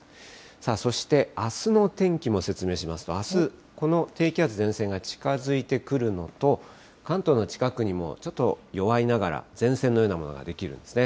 さあそして、あすの天気も説明しますと、あす、この低気圧、前線が近づいてくるのと、関東の近くにもちょっと弱いながら、前線のようなものができるんですね。